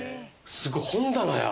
すごい本棚や！